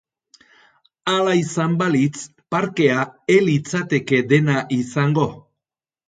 Hala izan balitz, parkea ez litzateke dena izango.